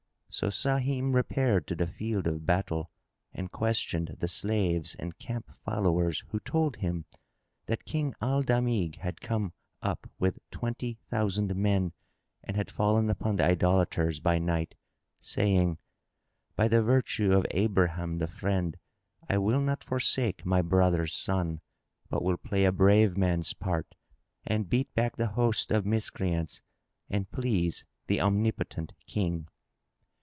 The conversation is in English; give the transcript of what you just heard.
So Sahim repaired to the field of battle and questioned the slaves and camp followers, who told him that King Al Damigh had come up with twenty thousand men and had fallen upon the idolaters by night, saying, "By the virtue of Abraham the Friend, I will not forsake my brother's son, but will play a brave man's part and beat back the host of Miscreants and please the Omnipotent King!"